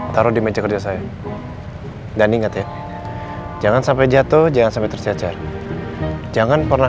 taruh di meja kerja saya dan ingat ya jangan sampai jatuh jangan sampai tercecer jangan pernah